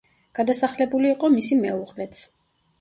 გადასახლებული იყო მისი მეუღლეც.